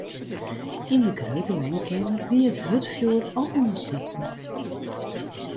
Yn de grutte wenkeamer wie it hurdfjoer al oanstutsen.